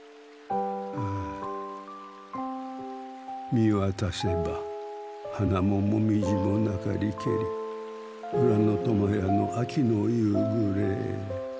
「見渡せば花も紅葉もなかりけり浦のとまやの秋の夕ぐれ」。